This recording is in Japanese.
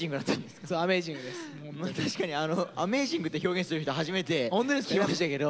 確かに「アメージング」って表現する人初めて聞きましたけど。